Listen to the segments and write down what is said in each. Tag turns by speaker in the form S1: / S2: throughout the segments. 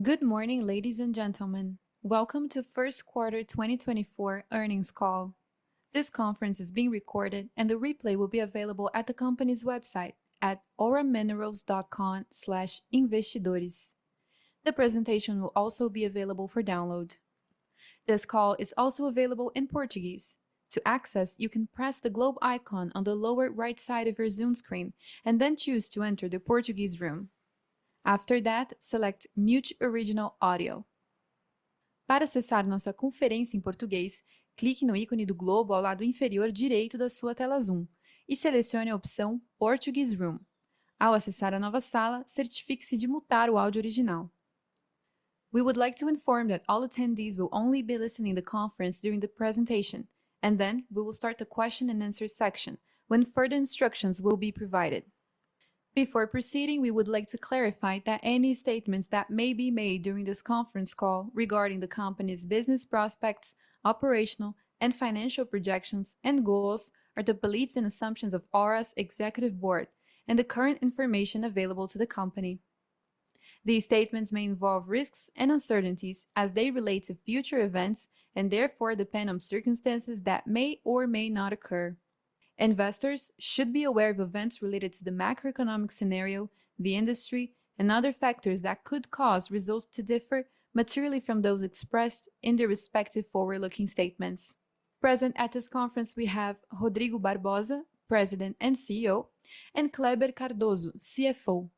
S1: Good morning, ladies and gentlemen. Welcome to first quarter 2024 earnings call. This conference is being recorded, and the replay will be available at the company's website at auraminerals.com/investidores. The presentation will also be available for download. This call is also available in Portuguese. To access, you can press the globe icon on the lower right side of your Zoom screen and then choose to enter the Portuguese room. After that, select Mute Original Audio. Para acessar nossa conferência em português, clique no ícone do globo ao lado inferior direito da sua tela Zoom e selecione a opção Portuguese Room. Ao acessar a nova sala, certifique-se de mutar o áudio original. We would like to inform that all attendees will only be listening the conference during the presentation, and then we will start the question and answer section, when further instructions will be provided. Before proceeding, we would like to clarify that any statements that may be made during this conference call regarding the company's business prospects, operational and financial projections and goals are the beliefs and assumptions of Aura's executive board and the current information available to the company. These statements may involve risks and uncertainties as they relate to future events, and therefore depend on circumstances that may or may not occur. Investors should be aware of events related to the macroeconomic scenario, the industry, and other factors that could cause results to differ materially from those expressed in the respective forward-looking statements. Present at this conference, we have Rodrigo Barbosa, President and CEO, and Kleber Cardoso, CFO.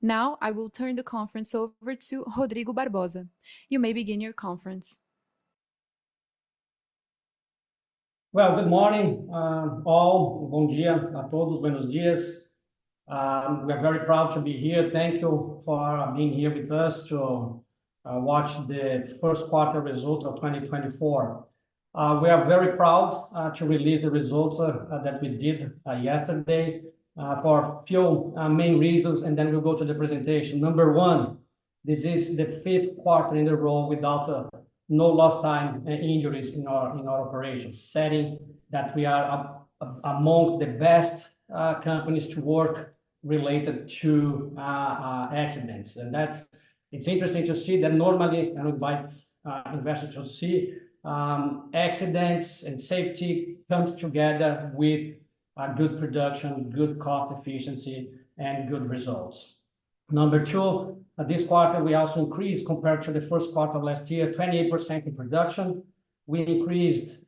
S1: Now, I will turn the conference over to Rodrigo Barbosa. You may begin your conference.
S2: Well, good morning, all. Bom dia a todos. Buenos dias. We are very proud to be here. Thank you for being here with us to watch the first quarter result of 2024. We are very proud to release the results that we did yesterday for a few main reasons, and then we'll go to the presentation. Number 1, this is the fifth quarter in a row without no lost time injuries in our operations, saying that we are up among the best companies to work related to accidents. And that's. It's interesting to see that normally, and invite investors to see, accidents and safety come together with good production, good cost efficiency, and good results. Number two, this quarter, we also increased, compared to the first quarter of last year, 28% in production. We increased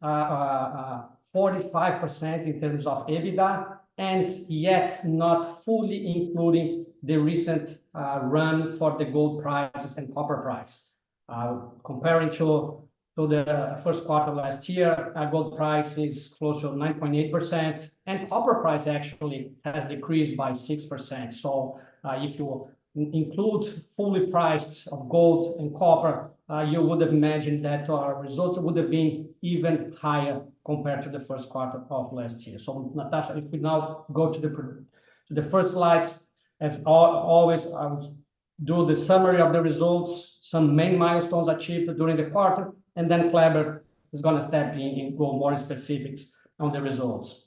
S2: forty-five percent in terms of EBITDA, and yet not fully including the recent run for the gold prices and copper price. Comparing to the first quarter of last year, our gold price is close to 9.8%, and copper price actually has decreased by 6%. So, if you include fully priced of gold and copper, you would have imagined that our result would have been even higher compared to the first quarter of last year. So Natasha, if we now go to the first slides. As always, I will do the summary of the results, some main milestones achieved during the quarter, and then Kleber is gonna step in and go more specifics on the results.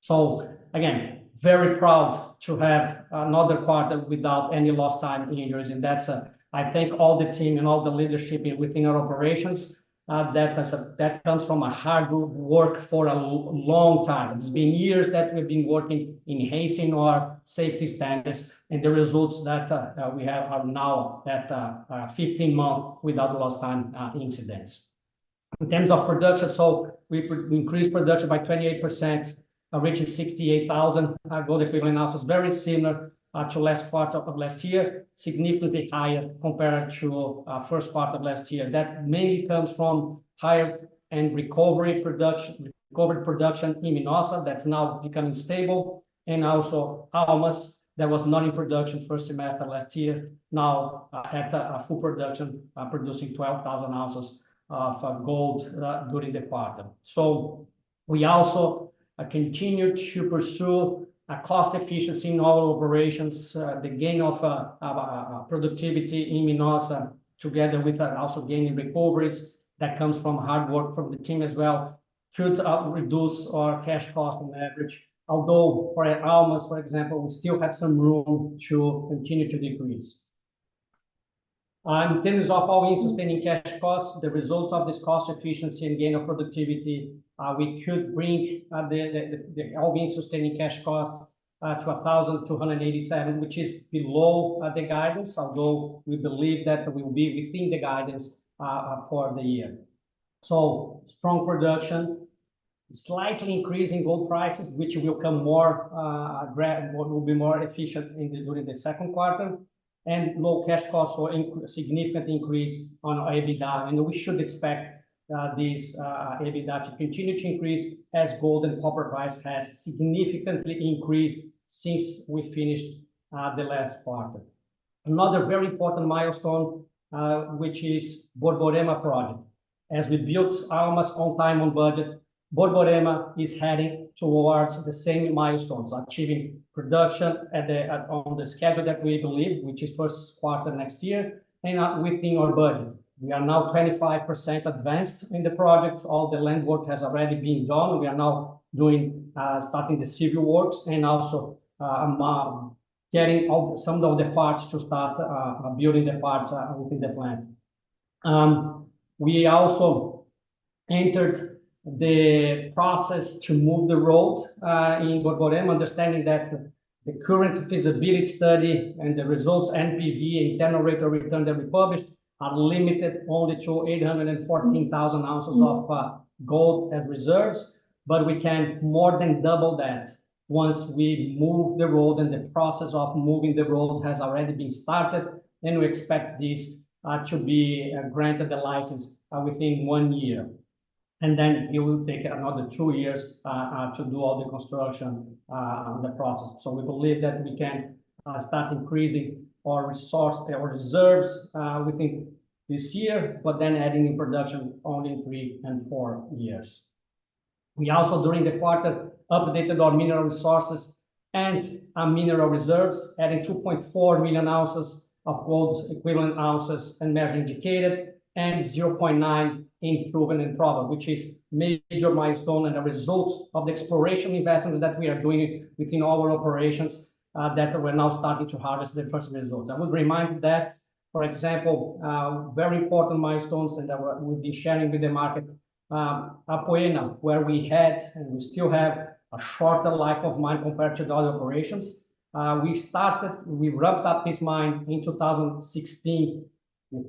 S2: So again, very proud to have another quarter without any lost time injuries, and that's, I thank all the team and all the leadership within our operations. That is. That comes from a hard work for a long time. It's been years that we've been working enhancing our safety standards, and the results that we have are now at 15 months without lost-time incidents. In terms of production, so we increased production by 28%, reaching 68,000 gold equivalent ounces. Very similar to last quarter of last year, significantly higher compared to first quarter of last year. That mainly comes from higher and recovery production—recovered production in Minosa, that's now becoming stable. And also Almas, that was not in production first semester last year, now at full production, producing 12,000 ounces for gold during the quarter. So we also continue to pursue a cost efficiency in all operations, the gain of productivity in Minosa, together with also gain in recoveries. That comes from hard work from the team as well to reduce our cash cost on average, although for Almas, for example, we still have some room to continue to decrease. All-in Sustaining Cash Costs, the results of this cost efficiency and gain of productivity, we All-in Sustaining Cash Costs to $1,287, which is below the guidance, although we believe that we will be within the guidance for the year. So strong production, slightly increase in gold prices, which will come more will be more efficient in the during the second quarter, and low cash costs will significantly increase on our EBITDA. And we should expect this EBITDA to continue to increase as gold and copper price has significantly increased since we finished the last quarter. Another very important milestone, which is Borborema project. As we built Almas on time, on budget, Borborema is heading towards the same milestones, achieving production at the on the schedule that we believe, which is first quarter next year, and within our budget. We are now 25% advanced in the project. All the land work has already been done. We are now doing starting the civil works and also getting all some of the parts to start building the parts within the plant. We also entered the process to move the road in Borborema, understanding that the current feasibility study and the results, NPV, internal rate of return that we published, are limited only to 814,000 ounces of gold and reserves. But we can more than double that once we move the road, and the process of moving the road has already been started, and we expect this to be granted the license within 1 year. And then it will take another 2 years to do all the construction on the process. So we believe that we can start increasing our resource, our reserves within this year, but then adding in production only in 3 and 4 years. We also, during the quarter, updated our mineral resources and our mineral reserves, adding 2.4 million ounces of gold equivalent ounces in measured and indicated, and 0.9 in proven and probable, which is a major milestone and a result of the exploration investment that we are doing within our operations, that we're now starting to harvest the first results. I would remind that, for example, very important milestones that we'll be sharing with the market, Apoena, where we had, and we still have, a shorter life of mine compared to the other operations. We wrapped up this mine in 2016, with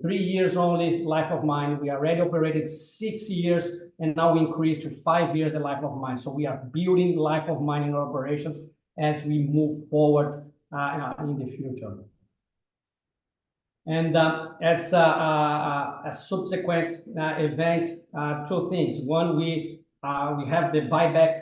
S2: three years only life of mine. We already operated six years, and now we increased to five years of life of mine. So we are building life of mining operations as we move forward, in the future. As a subsequent event, two things: One, we have the buyback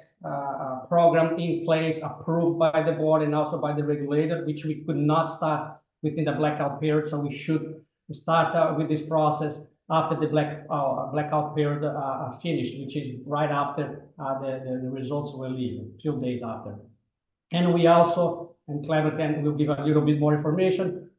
S2: program in place, approved by the board and also by the regulator, which we could not start within the blackout period, so we should start with this process after the blackout period are finished, which is right after the results are released, a few days after. We also, Kleber then will give a little bit more information.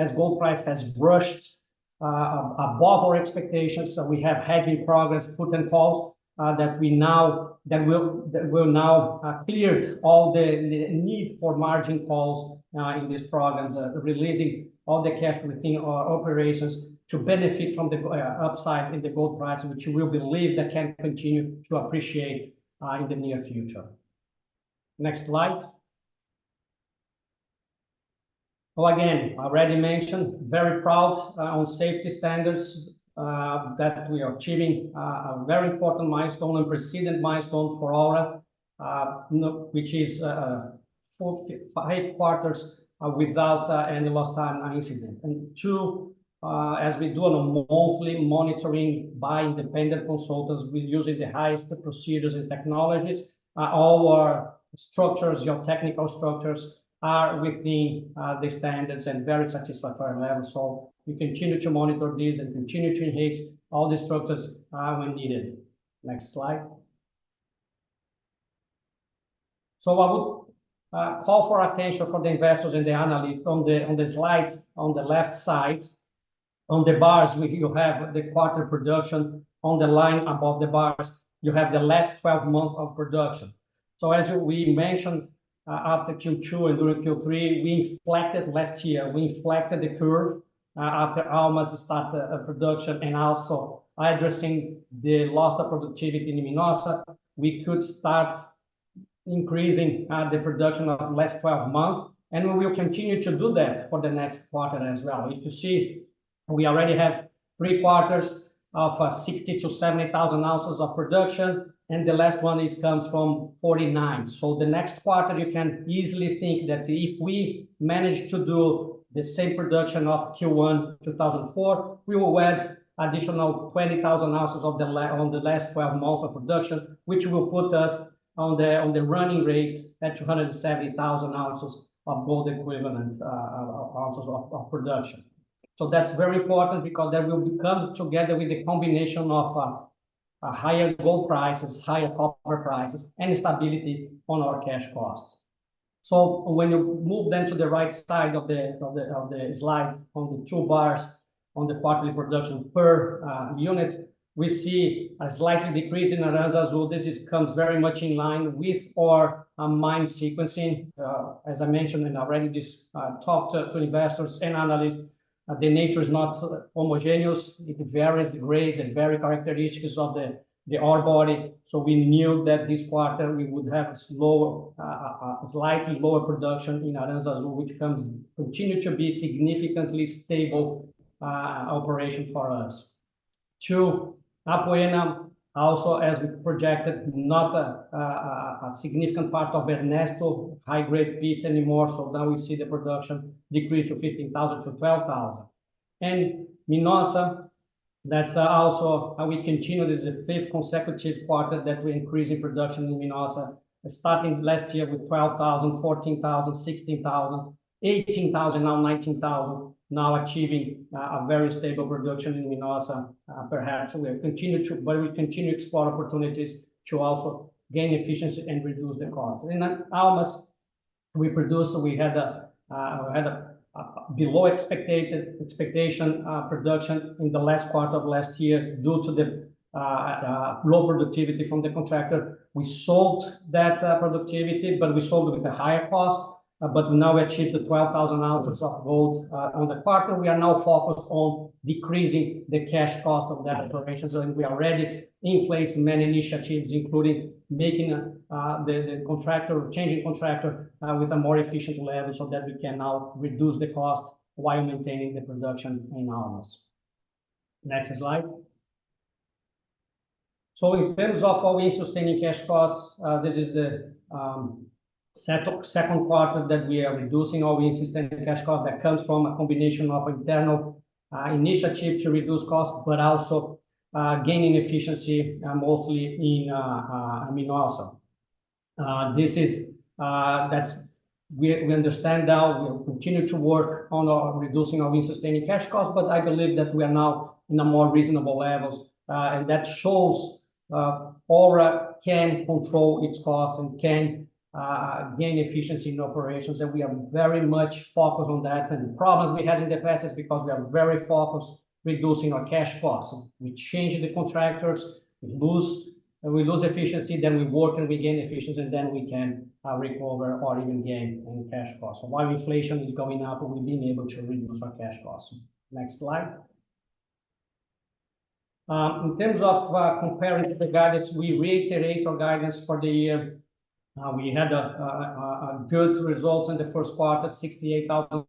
S2: As gold price has brushed above our expectations, so we have heavy progress put and calls that will now clear all the need for margin calls in these programs, releasing all the cash within our operations to benefit from the upside in the gold price, which we believe that can continue to appreciate in the near future. Next slide. Again, I already mentioned, very proud on safety standards that we are achieving a very important milestone, unprecedented milestone for Aura, now which is five quarters without any lost time incident. And two, as we do on a monthly monitoring by independent consultants, we're using the highest procedures and technologies, all our structures, geotechnical structures, are within the standards and very satisfactory level. So we continue to monitor this and continue to enhance all the structures, when needed. Next slide. So I would call for attention from the investors and the analysts on the slides on the left side. On the bars, you have the quarter production. On the line above the bars, you have the last 12 months of production. As we mentioned, after Q2 and during Q3, we inflected last year, we inflected the curve, after Almas started production and also addressing the loss of productivity in Minosa, we could start increasing the production of last twelve months, and we will continue to do that for the next quarter as well. If you see, we already have three quarters of 60,000-70,000 ounces of production, and the last one comes from 49. So the next quarter, you can easily think that if we manage to do the same production of Q1 2024, we will add additional 20,000 ounces on the last twelve months of production, which will put us on the running rate at 270,000 ounces of gold equivalent ounces of production. So that's very important because that will come together with a combination of a higher gold prices, higher copper prices, and stability on our cash costs. So when you move then to the right side of the slide, on the two bars on the quarterly production per unit, we see a slightly decrease in Aranzazu. This comes very much in line with our mine sequencing. As I mentioned and already talked to investors and analysts, the nature is not homogeneous. It varies grades and vary characteristics of the ore body. So we knew that this quarter we would have lower, a slightly lower production in Aranzazu, which continues to be significantly stable operation for us. Two, Apoena, also as we projected, not a significant part of Ernesto high-grade pit anymore, so now we see the production decrease to 15,000-12,000. And Minosa, that's also, we continue, this is the fifth consecutive quarter that we increase in production in Minosa, starting last year with 12,000, 14,000, 16,000, 18,000, now 19,000, now achieving a very stable production in Minosa. Perhaps we'll continue to, but we continue to explore opportunities to also gain efficiency and reduce the costs. In Almas, we produced, we had a, we had a below expected expectation production in the last quarter of last year due to the low productivity from the contractor. We solved that productivity, but we solved it with a higher cost. But now we achieved the 12,000 ounces of gold on the quarter. We are now focused on decreasing the cash cost of that operation. So we are already in place many initiatives, including making the contractor changing contractor with a more efficient level so that we can now reduce the cost while maintaining the production in ounces. Next slide. So in terms of All-in Sustaining Cash Costs, this is the second quarter that we are reducing All-in Sustaining Cash Costs. That comes from a combination of internal initiatives to reduce costs, but also gaining efficiency mostly in Minosa. This is that's we understand now, we'll continue to work on reducing our All-in Sustaining Cash Costs, but I believe that we are now in a more reasonable levels. That shows, Aura can control its costs and can, gain efficiency in operations, and we are very much focused on that. The problems we had in the past is because we are very focused reducing our cash costs. We change the contractors, we lose, we lose efficiency, then we work and we gain efficiency, and then we can, recover or even gain in cash costs. While inflation is going up, we've been able to reduce our cash costs. Next slide. In terms of comparing to the guidance, we reiterated our guidance for the year. We had a good result in the first quarter, 68,000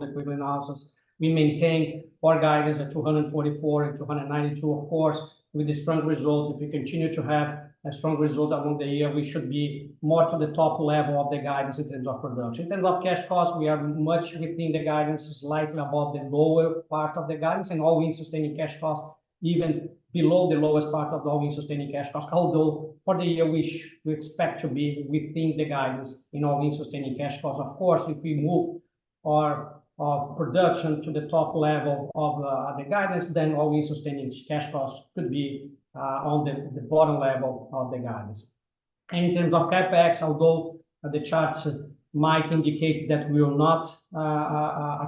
S2: equivalent ounces. We maintain our guidance at 244 and 292. Of course, with the strong results, if we continue to have a strong result along the year, we should be more to the top level of the guidance in terms of production. In terms of cash costs, we are much within the guidance, slightly above the lower part of the guidance and All-in Sustaining Cash Costs, even below the lowest part of the All-in Sustaining Cash Costs. Although, for the year, we expect to be within the guidance in All-in Sustaining Cash Costs. Of course, if we move our production to the top level of the guidance, then All-in Sustaining Cash Costs could be on the bottom level of the guidance. In terms of CapEx, although the charts might indicate that we will not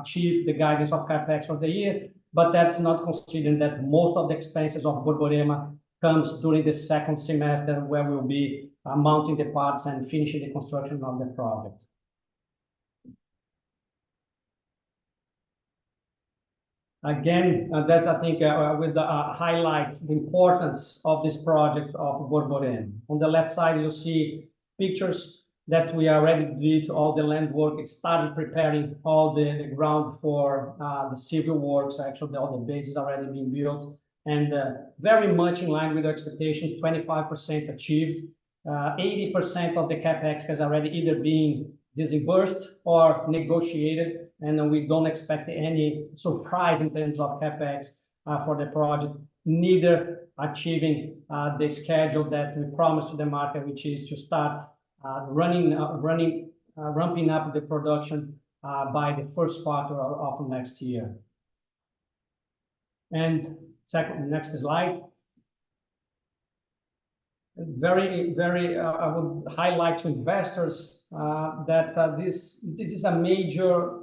S2: achieve the guidance of CapEx for the year, but that's not considering that most of the expenses of Borborema comes during the second semester, where we'll be mounting the parts and finishing the construction of the project. Again, that's I think, with the, highlight the importance of this project of Borborema. On the left side, you'll see pictures that we already did all the land work, started preparing all the ground for, the civil works. Actually, all the base has already been built, and, very much in line with the expectation, 25% achieved. 80% of the CapEx has already either been disbursed or negotiated, and then we don't expect any surprise in terms of CapEx for the project, neither achieving the schedule that we promised to the market, which is to start running ramping up the production by the first quarter of next year. And second, next slide. Very, very, I would highlight to investors that this is a major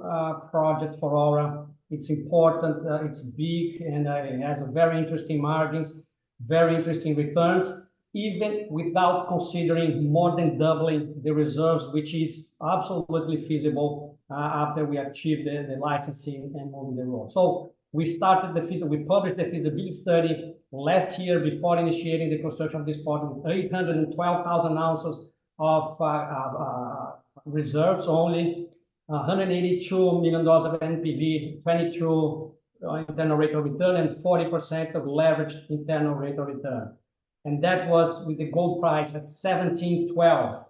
S2: project for Aura. It's important, it's big, and it has very interesting margins, very interesting returns, even without considering more than doubling the reserves, which is absolutely feasible after we achieve the licensing and moving the road. So we started the feasibility. We published the feasibility study last year before initiating the construction of this project. 812,000 ounces of reserves, only $182 million of NPV, 22 internal rate of return, and 40% leveraged internal rate of return. And that was with the gold price at $1,712.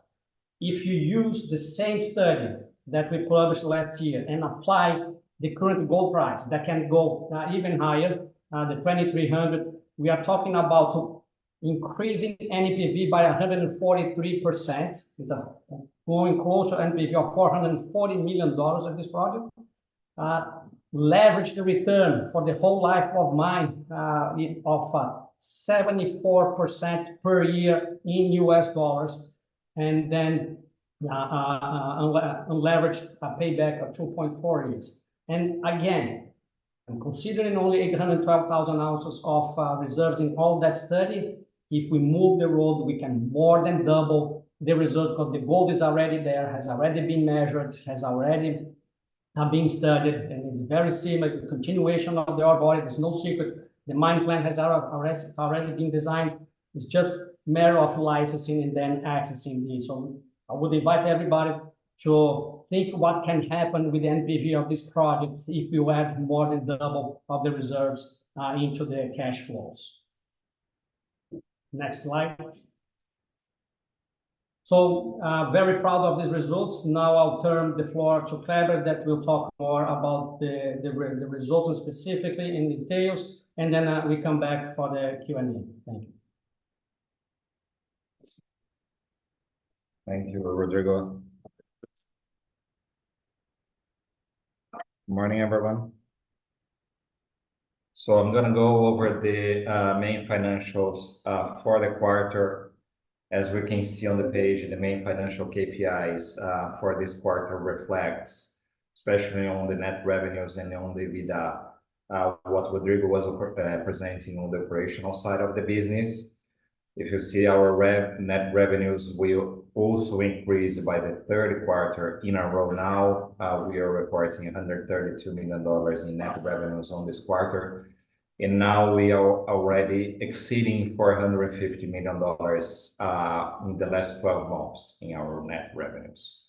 S2: If you use the same study that we published last year and apply the current gold price, that can go even higher, the $2,300, we are talking about increasing NPV by 143%, going closer to NPV of $440 million on this project. Leveraged return for the whole life of mine of 74% per year in US dollars, and then unleveraged, a payback of 2.4 years. And again, I'm considering only 812,000 ounces of reserves in all that study. If we move the road, we can more than double the result, because the gold is already there, has already been measured, has already been studied, and it's very similar to continuation of the Ore Body. There's no secret. The mine plan has already been designed. It's just a matter of licensing and then accessing this. So I would invite everybody to think what can happen with the NPV of this project if we add more than double of the reserves into the cash flows. Next slide. So, very proud of these results. Now, I'll turn the floor to Kleber, that will talk more about the results, and specifically in details, and then, we come back for the Q&A. Thank you.
S3: Thank you, Rodrigo. Good morning, everyone. So I'm gonna go over the main financials for the quarter. As we can see on the page, the main financial KPIs for this quarter reflects, especially on the net revenues and on the EBITDA, what Rodrigo was presenting on the operational side of the business. If you see our net revenues will also increase by the third quarter in a row now. We are reporting $132 million in net revenues on this quarter, and now we are already exceeding $450 million in the last 12 months in our net revenues.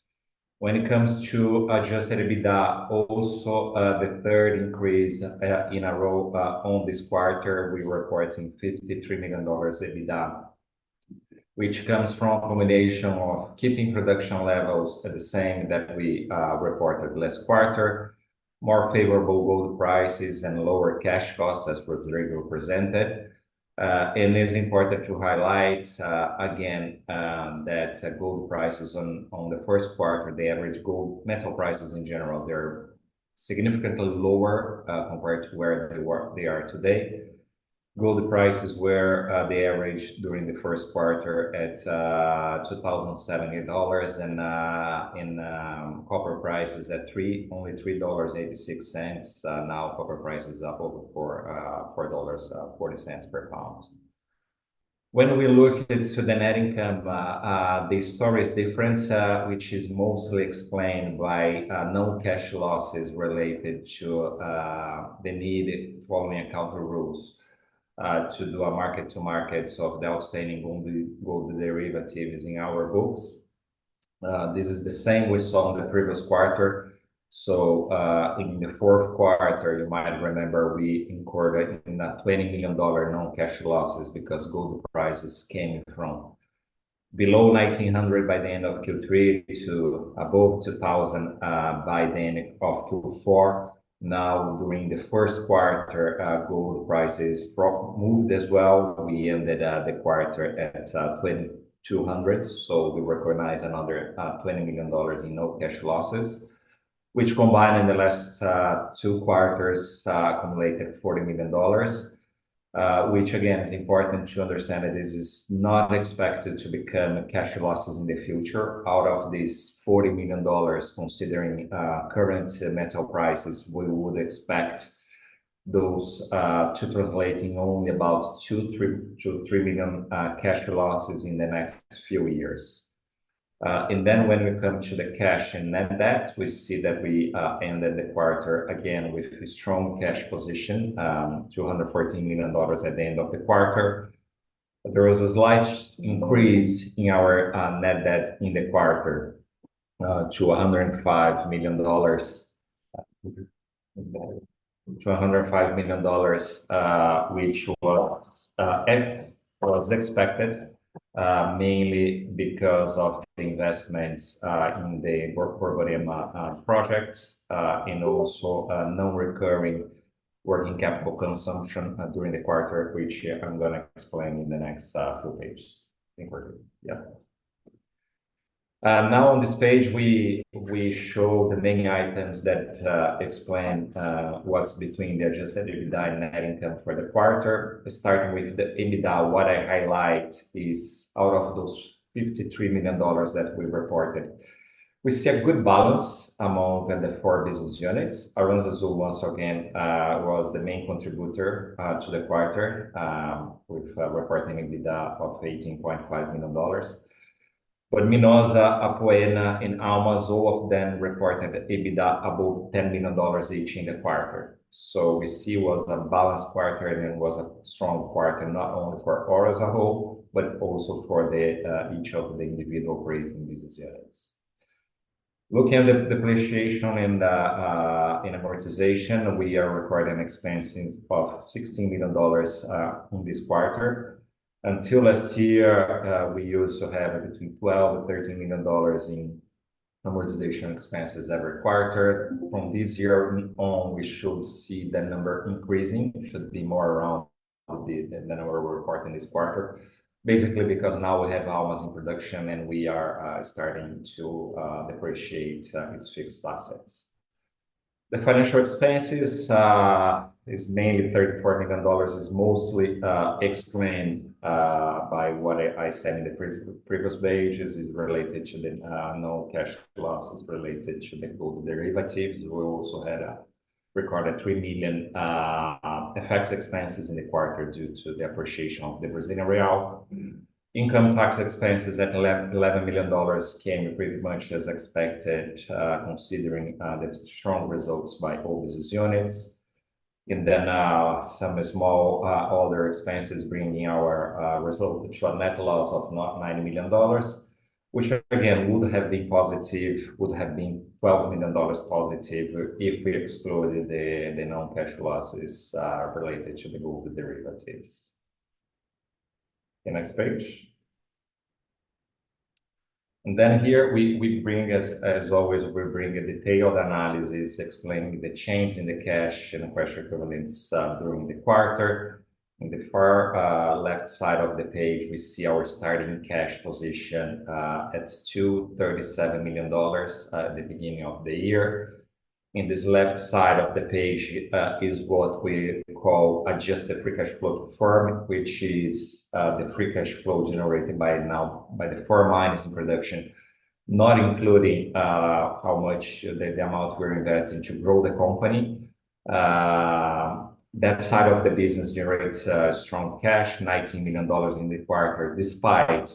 S3: When it comes to adjusted EBITDA, also, the third increase in a row on this quarter, we're reporting $53 million EBITDA, which comes from a combination of keeping production levels the same that we reported last quarter, more favorable gold prices and lower cash costs, as Rodrigo presented. And it's important to highlight, again, that gold prices on the first quarter, the average gold metal prices in general, they're significantly lower compared to where they were, they are today. Gold prices were the average during the first quarter at $2,070, and copper prices at three, only three dollars and eighty-six cents. Now copper price is up over four four dollars forty cents per pound. When we look into the net income, the story is different, which is mostly explained by non-cash losses related to the need, following accounting rules, to do a mark-to-market of the outstanding gold derivatives in our books. This is the same we saw in the previous quarter. So, in the fourth quarter, you might remember we incurred a $20 million non-cash losses because gold prices came from below $1,900 by the end of Q3 to above $2,000 by the end of Q4. Now, during the first quarter, gold prices moved as well. We ended the quarter at $2,000, so we recognize another $20 million in non-cash losses. Which combined in the last two quarters accumulated $40 million, which again, is important to understand that this is not expected to become cash losses in the future. Out of this $40 million, considering current metal prices, we would expect those to translating only about $2.3-$3 million cash losses in the next few years. And then when we come to the cash and net debt, we see that we ended the quarter again with a strong cash position, $214 million at the end of the quarter. There was a slight increase in our net debt in the quarter to $105 million, which was as expected, mainly because of the investments in the Corcorinha projects and also non-recurring working capital consumption during the quarter, which I'm gonna explain in the next few pages. I think we're good. Yeah. Now on this page, we show the main items that explain what's between the adjusted EBITDA and net income for the quarter. Starting with the EBITDA, what I highlight is out of those $53 million that we reported, we see a good balance among the four business units. Aranzazu once again was the main contributor to the quarter with reporting EBITDA of $18.5 million. But Minosa, Apoena, and Almas, all of them reported an EBITDA above $10 million each in the quarter. So we see was a balanced quarter, and it was a strong quarter, not only for Aura as a whole, but also for the each of the individual operating business units. Looking at the depreciation and the and amortization, we are recording expenses of $16 million on this quarter. Until last year, we used to have between $12 million and $13 million in amortization expenses every quarter. From this year on, we should see that number increasing. It should be more around the the number we're reporting this quarter. Basically, because now we have Almas in production, and we are starting to depreciate its fixed assets. The financial expenses is mainly $34 million, is mostly explained by what I said in the previous page. This is related to the non-cash losses related to the gold derivatives. We also had recorded $3 million FX expenses in the quarter due to the appreciation of the Brazilian real. Income tax expenses at $11 million came pretty much as expected, considering the strong results by all business units. And then, some small other expenses bringing our result to a net loss of $90 million, which again, would have been positive, would have been $12 million positive, if we excluded the non-cash losses related to the gold derivatives. The next page. Then here we bring, as always, a detailed analysis explaining the change in the cash and cash equivalents during the quarter. In the far left side of the page, we see our starting cash position at $237 million at the beginning of the year. In this left side of the page is what we call adjusted free cash flow from, which is the free cash flow generated by the four mines in production, not including the amount we're investing to grow the company. That side of the business generates strong cash, $19 million in the quarter, despite a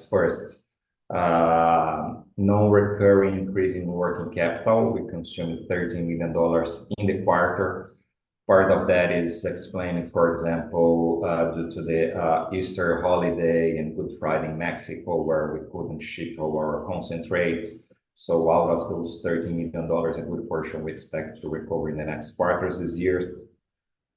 S3: non-recurring increase in working capital. We consumed $13 million in the quarter. Part of that is explained, for example, due to the Easter holiday and Good Friday in Mexico, where we couldn't ship our concentrates. So out of those $13 million, a good portion we expect to recover in the next quarters this year.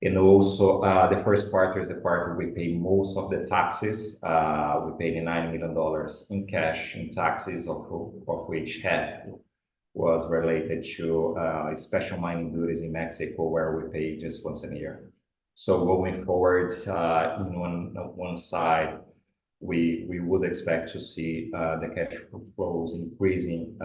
S3: And also, the first quarter is the quarter we pay most of the taxes. We paid $9 million in cash, in taxes, of which half was related to special mining duties in Mexico, where we pay just once a year. So going forward, on one side, we would expect to see the cash flows increasing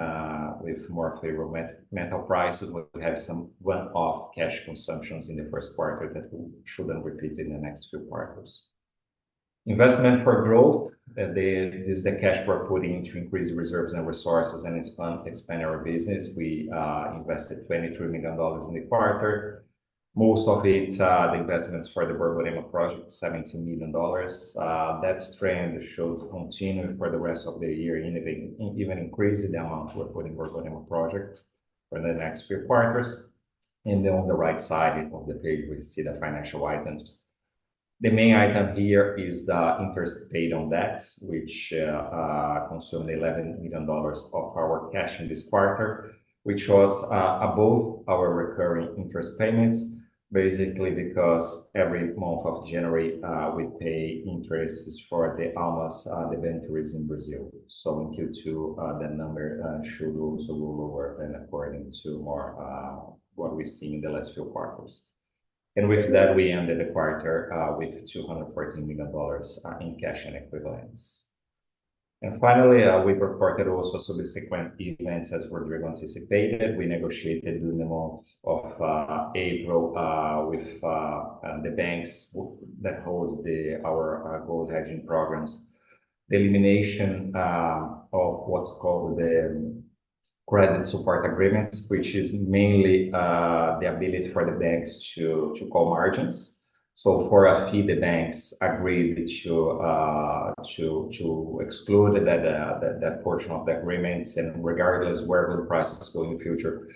S3: with more favorable metal prices. We have some one-off cash consumptions in the first quarter that shouldn't repeat in the next few quarters. Investment for growth, this is the cash we're putting to increase reserves and resources and expand, expand our business. We invested $23 million in the quarter. Most of it, the investments for the Borborema project, $17 million. That trend shows continuing for the rest of the year, even, even increasing the amount we're putting Borborema project for the next few quarters. And then on the right side of the page, we see the financial items. The main item here is the interest paid on debt, which consumed $11 million of our cash in this quarter, which was above our recurring interest payments. Basically, because every month of January, we pay interests for the Almas, the ventures in Brazil. So in Q2, that number should go somewhat lower than according to more, what we've seen in the last few quarters. With that, we ended the quarter with $214 million in cash and equivalents. Finally, we reported also subsequent events as were anticipated. We negotiated during the month of April with the banks that hold our gold hedging programs. The elimination of what's called the credit support agreements, which is mainly the ability for the banks to call margins. So for us, the banks agreed to exclude that portion of the agreements. Regardless where will the prices go in the future,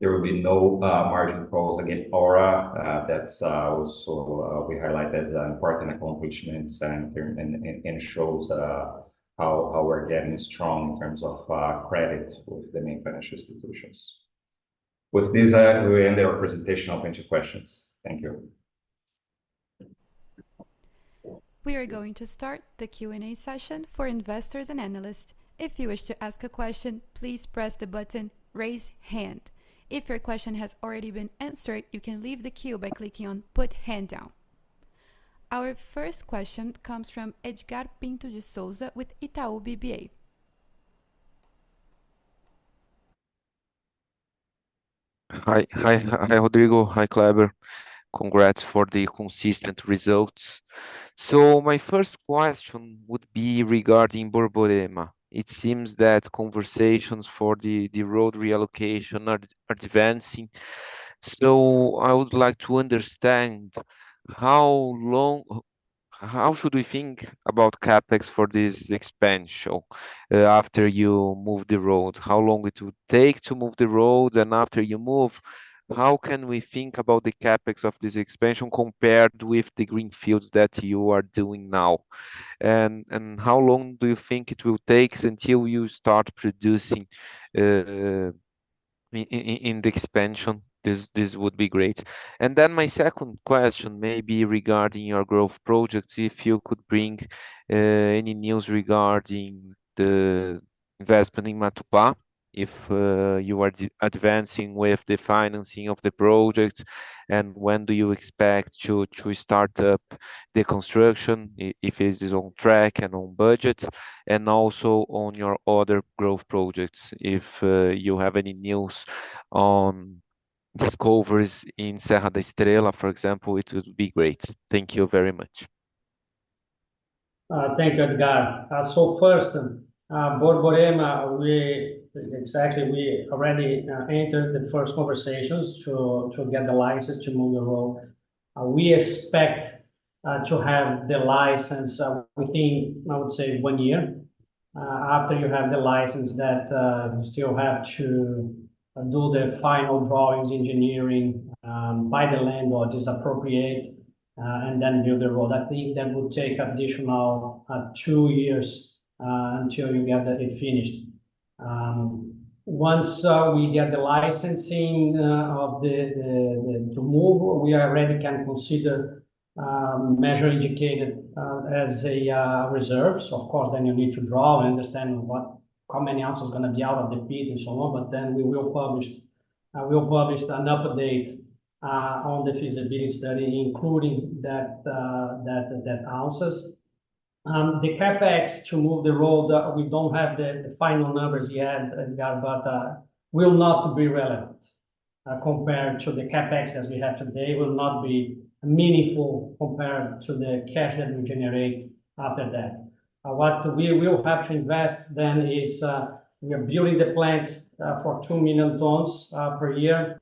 S3: there will be no margin calls against Aura. That's so we highlight that as an important accomplishment and shows how we're getting strong in terms of credit with the main financial institutions. With this, we end our presentation. Open to questions. Thank you.
S1: We are going to start the Q&A session for investors and analysts. If you wish to ask a question, please press the button, Raise Hand. If your question has already been answered, you can leave the queue by clicking on Put Hand Down. Our first question comes from Edgard Pinto de Souza with Itaú BBA.
S4: Hi, hi, Rodrigo. Hi, Kleber. Congrats for the consistent results. So my first question would be regarding Borborema. It seems that conversations for the road reallocation are advancing. So I would like to understand how long, how should we think about CapEx for this expansion after you move the road? How long it will take to move the road? And after you move, how can we think about the CapEx of this expansion compared with the greenfields that you are doing now? And how long do you think it will take until you start producing in the expansion? This would be great. And then my second question may be regarding your growth projects. If you could bring any news regarding the investment in Matupá, if you are advancing with the financing of the project, and when do you expect to start up the construction, if it is on track and on budget? And also on your other growth projects, if you have any news on discoveries in Serra da Estrela, for example, it would be great. Thank you very much.
S2: Thank you, Edgar. So first, Borborema, we already entered the first conversations to get the license to move the road. We expect to have the license within, I would say, one year. After you have the license, you still have to do the final drawings, engineering, buy the land or expropriate, and then build the road. I think that will take additional two years until you get that finished. Once we get the licensing to move, we already can consider measured and indicated as reserves. Of course, then you need to draw and understand what-- how many ounces going to be out of the pit and so on, but then we will publish- I will publish another update on the feasibility study, including that ounces. The CapEx to move the road, we don't have the final numbers yet, Edgar, but will not be relevant compared to the CapEx that we have today, will not be meaningful compared to the cash that we generate after that. What we will have to invest then is, we are building the plant for 2,000,000 tons per year.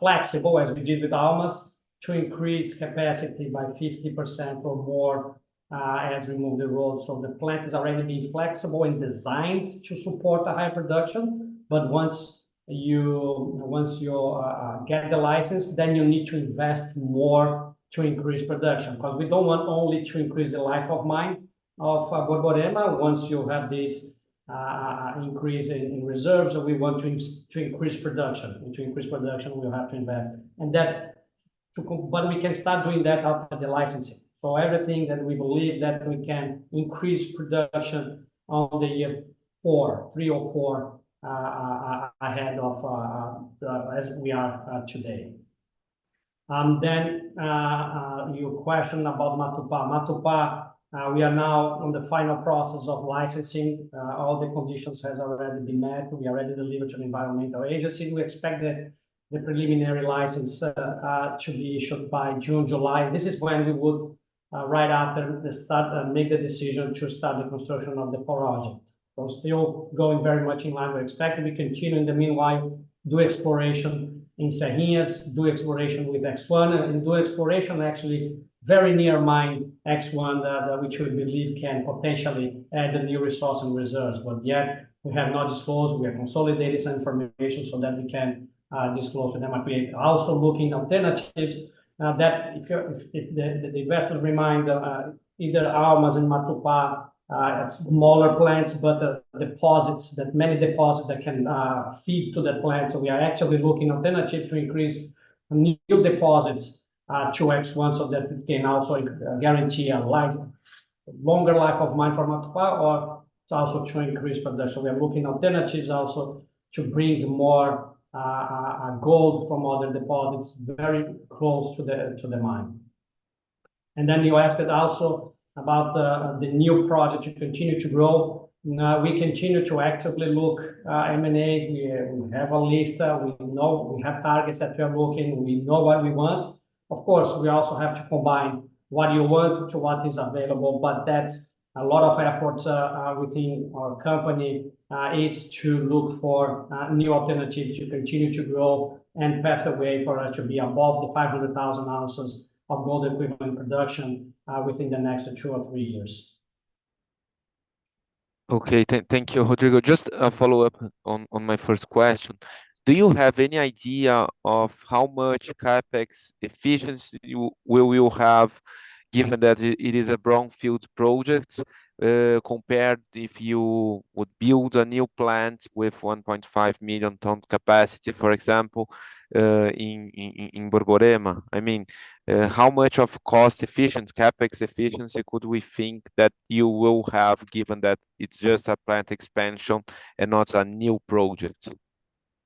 S2: Flexible, as we did with Almas, to increase capacity by 50% or more, as we move the road. So the plant is already being flexible and designed to support the high production, but once you get the license, then you need to invest more to increase production. 'Cause we don't want only to increase the life of mine of Borborema. Once you have this, increase in reserves, we want to increase production. And to increase production, we'll have to invest. And that but we can start doing that after the licensing. So everything that we believe that we can increase production on the year 4, 3 or 4, ahead of the, as we are today. Then, your question about Matupá. Matupá, we are now on the final process of licensing. All the conditions has already been met. We already delivered to the environmental agency. We expect the preliminary license to be issued by June, July. This is when we would, right after the start, make the decision to start the construction of the core project. So still going very much in line we expected. We continue in the meanwhile, do exploration in Serrinhas, do exploration with X1, and do exploration actually very near mine X1, which we believe can potentially add a new resource and reserves. But yet we have not disclosed, we are consolidating some information so that we can disclose. And then we're also looking alternatives that if the vessels remain, either Almas and Matupá are smaller plants, but the deposits, that many deposits that can feed to the plant. So we are actually looking alternatives to increase new deposits to X1, so that it can also guarantee a longer life of mine for Matupá or also to increase production. So we are looking alternatives also to bring more, gold from other deposits very close to the, to the mine. And then you asked also about the, the new project to continue to grow. Now, we continue to actively look, M&A. We, we have a list, we know we have targets that we are working. We know what we want. Of course, we also have to combine what you want to what is available, but that's a lot of efforts, within our company, is to look for, new alternatives to continue to grow and pave the way for it to be above 500,000 ounces of gold equivalent production, within the next two or three years.
S4: Okay, thank you, Rodrigo. Just a follow-up on my first question. Do you have any idea of how much CapEx efficiency we will have, given that it is a brownfield project, compared if you would build a new plant with 1.5 million ton capacity, for example, in Borborema? I mean, how much of cost efficient, CapEx efficiency could we think that you will have, given that it's just a plant expansion and not a new project?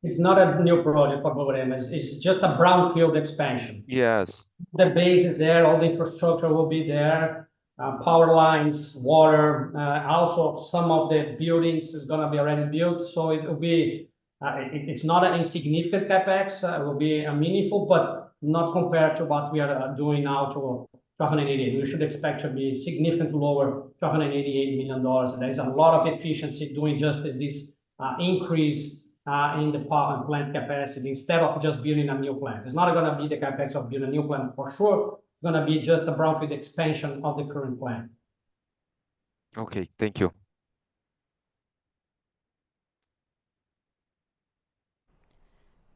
S2: It's not a new project for Borborema. It's, it's just a brownfield expansion.
S4: Yes.
S2: The base is there, all the infrastructure will be there, power lines, water, also some of the buildings is gonna be already built. So it will be... It, it's not an insignificant CapEx. It will be, meaningful, but not compared to what we are, doing now to $280. We should expect to be significantly lower, $288 million. There is a lot of efficiency doing just as this, increase, in the power and plant capacity instead of just building a new plant. It's not gonna be the CapEx of build a new plant for sure, it's gonna be just a brownfield expansion of the current plant.
S4: Okay. Thank you.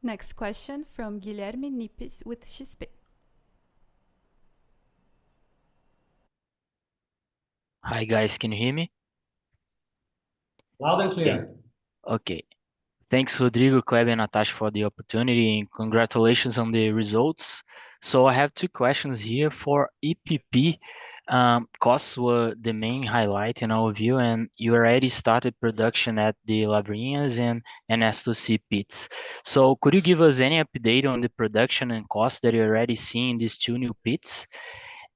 S1: Next question from Guilherme Nippes with XP.
S5: Hi, guys. Can you hear me?
S2: Loud and clear.
S5: Yeah. Okay. Thanks, Rodrigo, Kleber, and Natasha, for the opportunity, and congratulations on the results. So I have two questions here. For EPP, costs were the main highlight in our view, and you already started production at the Lavrinha and Nosde pits. So could you give us any update on the production and costs that you're already seeing in these two new pits?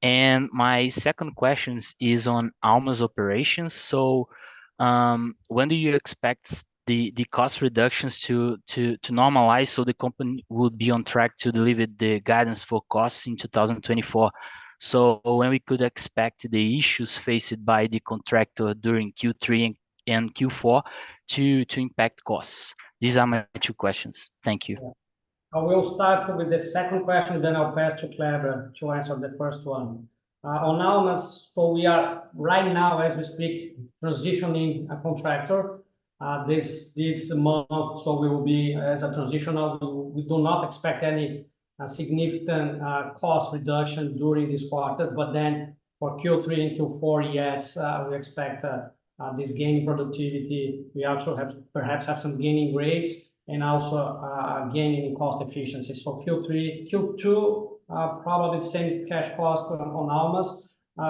S5: And my second questions is on Almas operations. So, when do you expect the cost reductions to normalize so the company will be on track to deliver the guidance for costs in 2024? So when we could expect the issues faced by the contractor during Q3 and Q4 to impact costs? These are my two questions. Thank you.
S2: I will start with the second question, then I'll pass to Kleber to answer the first one. On Almas, so we are right now, as we speak, transitioning a contractor, this month, so we will be as a transitional. We do not expect any significant cost reduction during this quarter, but then for Q3 and Q4, yes, we expect this gain in productivity. We also have, perhaps have some gain in rates and also gain in cost efficiency. So Q3, Q2, probably the same cash cost on Almas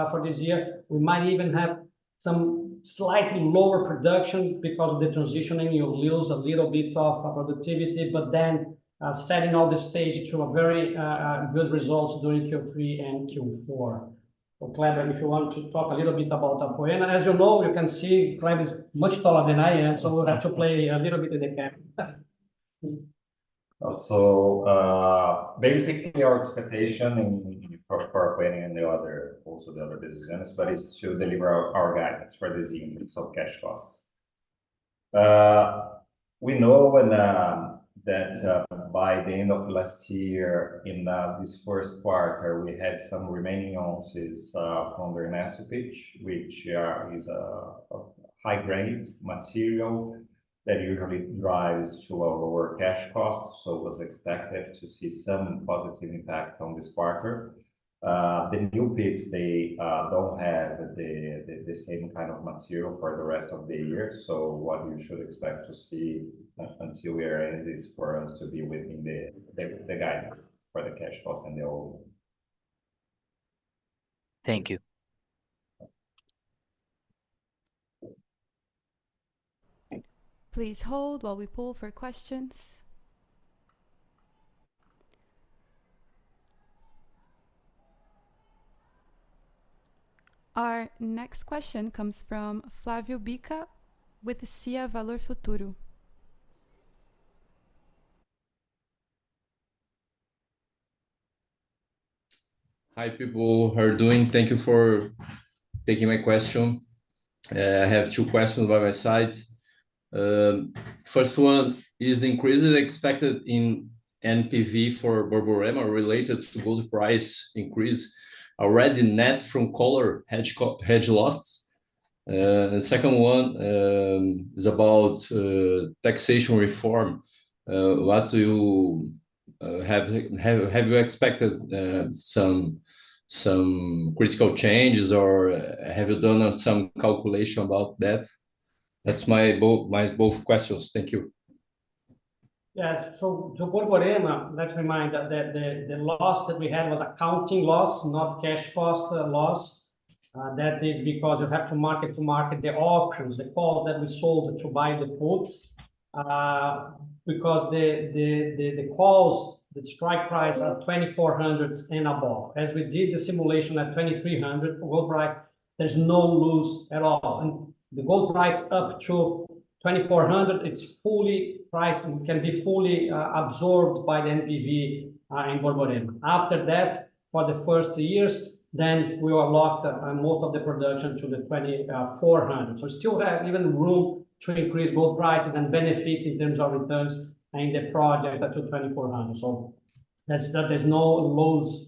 S2: for this year. We might even have some slightly lower production because of the transitioning, you'll lose a little bit of productivity, but then setting all the stage to a very good results during Q3 and Q4. So Kleber, if you want to talk a little bit about Apoena. As you know, you can see Kleber is much taller than I am, so we'll have to play a little bit in the camera.
S3: So, basically, our expectation in for Apoena and the other business units, but it's to deliver our guidance for this increase of cash costs. We know that by the end of last year, in this first quarter, we had some remaining ounces from the Ernesto pit, which is a high-grade material that usually drives to a lower cash cost, so was expected to see some positive impact on this quarter. The new pits, they don't have the same kind of material for the rest of the year, so what you should expect to see until we are in this for us to be within the guidance for the cash costs and the AISC.
S5: Thank you.
S1: Please hold while we pull for questions. Our next question comes from Flávio Bica with Siegen Capital.
S6: Hi, people. How are you doing? Thank you for taking my question. I have two questions by my side. First one, is the increases expected in NPV for Borborema related to gold price increase already net from collar hedge co-hedge losses? The second one is about taxation reform. Have you expected some critical changes, or have you done some calculation about that? That's both my questions. Thank you.
S2: Yeah. So to Borborema, let's remind that the loss that we had was accounting loss, not cash cost loss. That is because you have to mark-to-market the options, the call that we sold to buy the puts. Because the calls, the strike price are 2,400 and above. As we did the simulation at 2,300 gold price, there's no loss at all, and the gold price up to 2,400, it's fully priced and can be fully absorbed by the NPV in Borborema. After that, for the first years, then we are locked on most of the production to the 2,400. So still have even room to increase gold prices and benefit in terms of returns and the project up to 2,400. So that's, there's no loss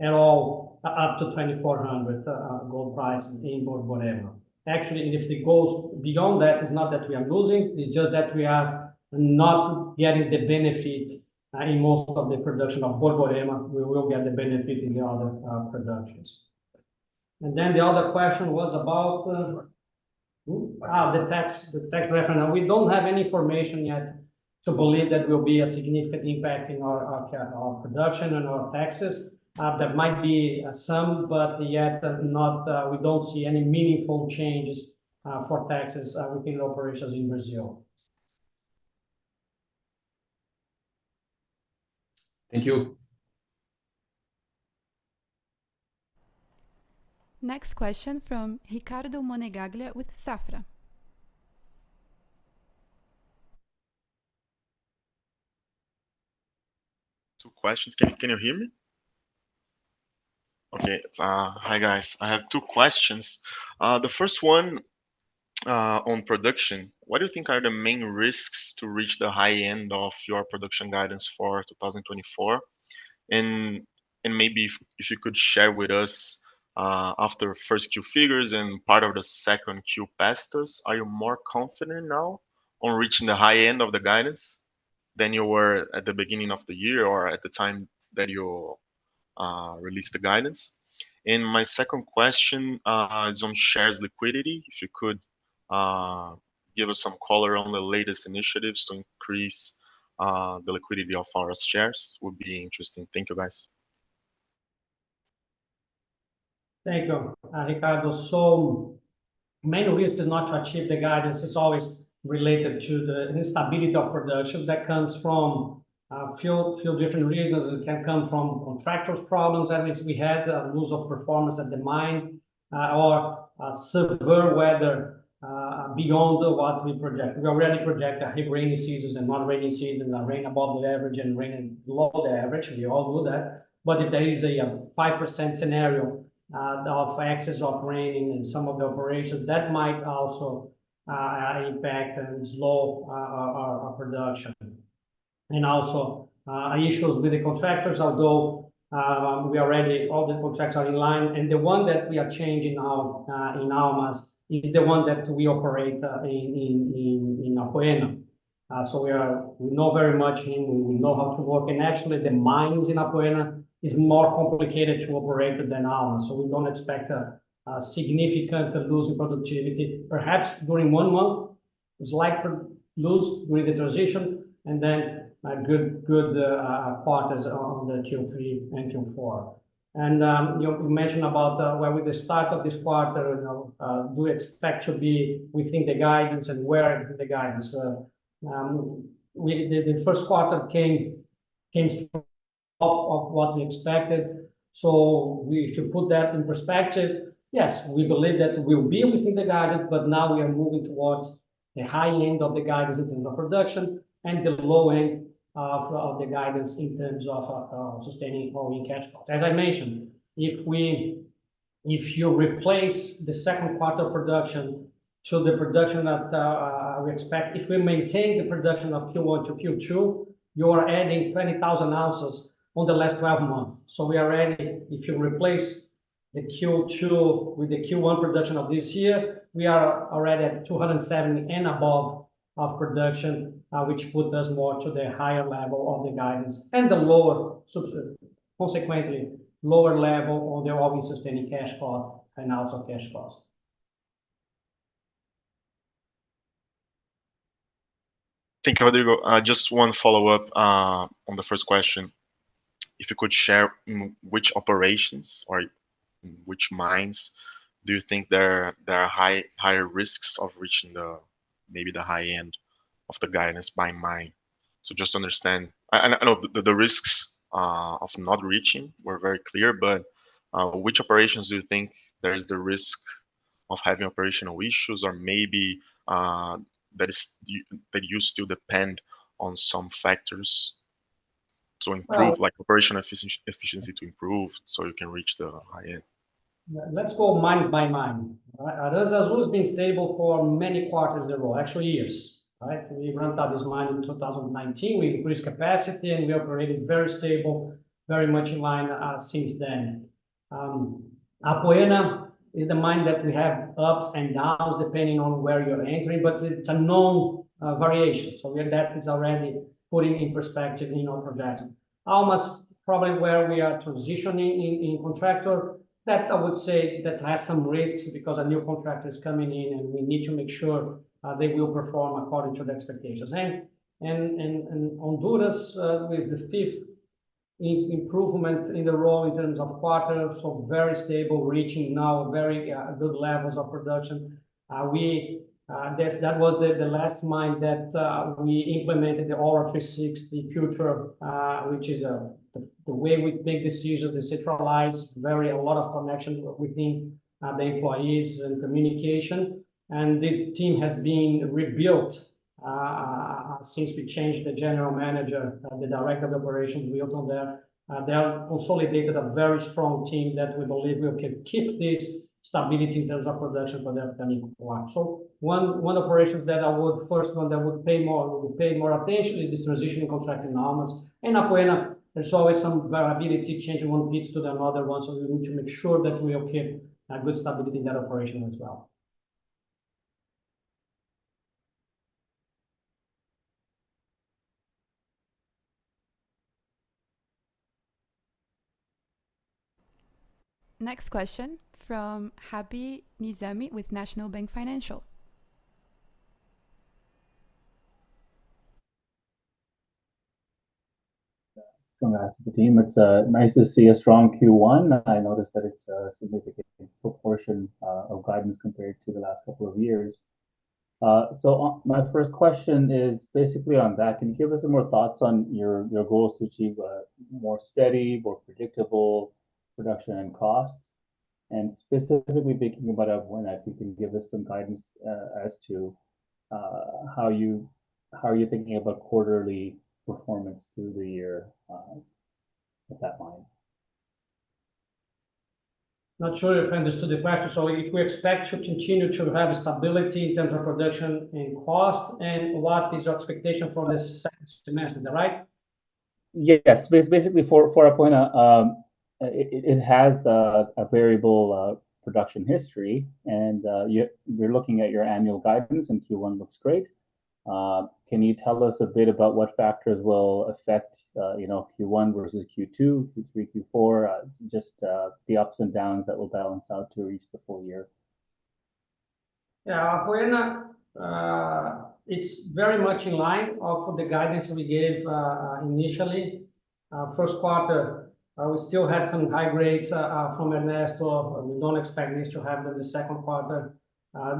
S2: at all up to $2,400 gold price in Borborema. Actually, and if it goes beyond that, it's not that we are losing, it's just that we are not getting the benefit in most of the production of Borborema. We will get the benefit in the other productions. And then the other question was about the tax, the tax referendum. We don't have any information yet to believe that will be a significant impact in our production and our taxes. There might be some, but yet not, we don't see any meaningful changes for taxes within operations in Brazil.
S6: Thank you.
S1: Next question from Ricardo Monegaglia with Safra.
S7: Two questions. Can you hear me? Okay. Hi, guys. I have two questions. The first one, on production. What do you think are the main risks to reach the high end of your production guidance for 2024? And maybe if you could share with us, after first Q figures and part of the second Q past us, are you more confident now on reaching the high end of the guidance than you were at the beginning of the year, or at the time that you released the guidance? And my second question is on shares liquidity. If you could give us some color on the latest initiatives to increase the liquidity of our shares would be interesting. Thank you, guys.
S2: Thank you, Ricardo. So main risk is not to achieve the guidance is always related to the instability of production that comes from few different reasons. It can come from contractors problems, that means we had a loss of performance at the mine, or severe weather beyond what we project. We already project a heavy rainy seasons and non-rainy season, and rain above the average and rain below the average. We all do that. But if there is a 5% scenario of excess of raining in some of the operations, that might also impact and slow our production. And also, issues with the contractors, although we are ready, all the contracts are in line. And the one that we are changing now in Almas is the one that we operate in Apoena. We know very much and we know how to work, and actually, the mines in Apoena is more complicated to operate than Almas, so we don't expect a significant loss in productivity. Perhaps during one month it's likely to lose with the transition, and then good quarters in the Q3 and Q4. And you mentioned about where with the start of this quarter, you know, do you expect to be within the guidance and where the guidance, the first quarter came off of what we expected. So, if you put that in perspective, yes, we believe that we will be within the guidance, but now we are moving towards the high end of the guidance in terms of production and the low end of the guidance in terms of sustaining all-in cash costs. As I mentioned, if you replace the second quarter production to the production that we expect, if we maintain the production of Q1 to Q2, you are adding 20,000 ounces on the last twelve months. So we are adding, if you replace the Q2 with the Q1 production of this year, we are already at 270 and above of production, which put us more to the higher level of the guidance and the lower consequently lower level on the all-in sustaining cash cost and also cash costs.
S7: Thank you, Rodrigo. Just one follow-up on the first question. If you could share which operations or which mines do you think there are higher risks of reaching the, maybe the high end of the guidance by mine? So just to understand. And I know the risks of not reaching were very clear, but which operations do you think there is the risk of having operational issues or maybe that you still depend on some factors to improve-
S2: Well-
S7: like operational efficiency to improve, so you can reach the high end?
S2: Let's go mine by mine. Right? Aranzazu has been stable for many quarters in a row, actually years, right? We ramped up this mine in 2019. We increased capacity, and we operated very stable, very much in line since then. Apoena is the mine that we have ups and downs, depending on where you're entering, but it's a known variation. So where that is already putting in perspective in our projection. Almas, probably where we are transitioning in contractor, that I would say that has some risks because a new contractor is coming in, and we need to make sure they will perform according to the expectations. And Honduras, with the fifth improvement in the row in terms of quarter, so very stable, reaching now very good levels of production. We, that's, that was the last mine that we implemented the Aura 360°, which is the way we make decision to centralize very a lot of connection within the employees and communication. This team has been rebuilt since we changed the general manager, the director of operations, we opened there. They have consolidated a very strong team that we believe will can keep this stability in terms of production for the upcoming one. One, one operations that I would first one, that would pay more, would pay more attention is this transition in contract in Almas. In Apoena, there's always some variability change in one pit to another one, so we need to make sure that we will keep a good stability in that operation as well.
S1: Next question from Rabi Nizami with National Bank Financial.
S8: Yeah. I'm gonna ask the team. It's nice to see a strong Q1. I noticed that it's a significant proportion of guidance compared to the last couple of years. So my first question is basically on that. Can you give us some more thoughts on your, your goals to achieve a more steady, more predictable production and costs? And specifically thinking about Apoena, if you can give us some guidance as to how you, how you're thinking about quarterly performance through the year at that mine.
S2: Not sure if I understood the question. So we expect to continue to have stability in terms of production and cost, and what is your expectation for this second semester, right?
S8: Yes. Basically, for Apoena, it has a variable production history, and we're looking at your annual guidance, and Q1 looks great. Can you tell us a bit about what factors will affect, you know, Q1 versus Q2, Q3, Q4? Just the ups and downs that will balance out to reach the full year.
S2: Yeah. Apoena, it's very much in line of the guidance we gave, initially. First quarter, we still had some high grades, from Ernesto. We don't expect this to happen in the second quarter.